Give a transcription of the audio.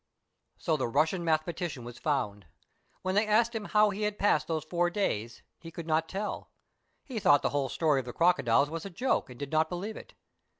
So the Russian mathematician was found! When they asked him how he had passed those four days, he could not tell ; he thought the whole story of the crocodiles was a joke, and did not believe it.